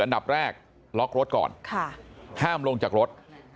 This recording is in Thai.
อันดับแรกล็อกรถก่อนห้ามลงจากรถ